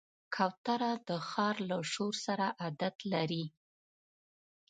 کوتره د ښار له شور سره عادت لري.